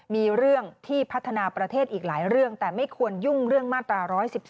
มีเรื่องที่พัฒนาประเทศอีกหลายเรื่องแต่ไม่ควรยุ่งเรื่องมาตรา๑๑๒